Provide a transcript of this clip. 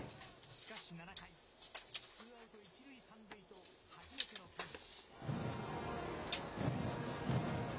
しかし７回、ツーアウト１塁３塁と、初めてのピンチ。